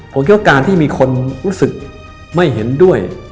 ผมคิดว่าการที่มีคนรู้สึกไม่เห็นด้วย